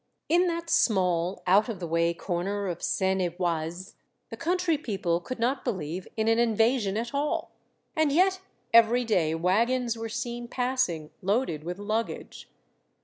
In that small, out of the way corner of Seine et Oise the country people could not believe in an invasion at all. And yet every day wagons were seen passing, loaded with luggage.